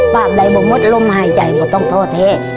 ปากใดบ่มดลมหายใจมันต้องทอดแท้